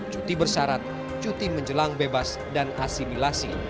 cuti bersyarat cuti menjelang bebas dan asimilasi